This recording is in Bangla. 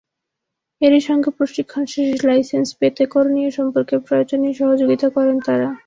এরই সঙ্গে প্রশিক্ষণ শেষে লাইসেন্স পেতে করণীয় সম্পর্কে প্রয়োজনীয় সহযোগিতা করেন তাঁরা।